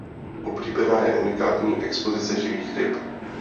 Oblíbená je unikátní expozice živých ryb.